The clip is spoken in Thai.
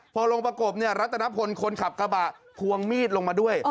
พอลงประกบรัตนพลคนขับกระบะควงมีดลงมาด้วย